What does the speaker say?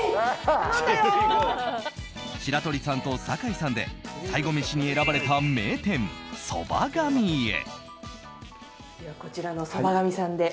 白鳥さんと坂井さんで最後メシに選ばれた名店そばがみへ。